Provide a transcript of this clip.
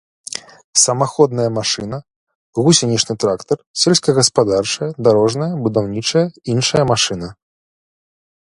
Самаходная машына — гусенічны трактар, сельскагаспадарчая, дарожная, будаўнічая, іншая машына